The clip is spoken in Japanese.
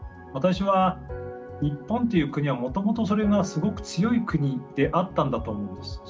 私は日本という国はもともとそれがすごく強い国であったんだと思うんです。